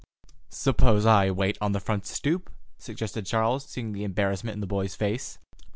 "Suppose I wait on the front stoop," suggested Charles, seeing the embarrassment in the boy's face.